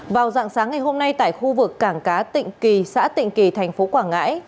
vào dạng sáng ngày hôm nay tại khu vực cảng cá tịnh kỳ xã tịnh kỳ thành phố quảng ngãi